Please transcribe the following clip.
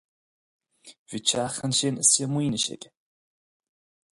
Bhí teach ansin istigh i Maínis aige.